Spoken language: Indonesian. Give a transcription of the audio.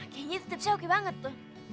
kayaknya tipsnya oke banget tuh